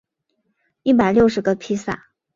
一百六十个披萨